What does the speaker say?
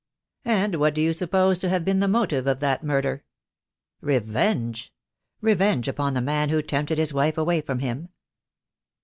"And what do you suppose to have been the motive of that murder?" "Revenge — revenge upon the man who tempted his wife away from him."